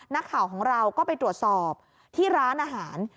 นักข่าวของเราก็ไปตรวจสอบที่ร้านอาหาร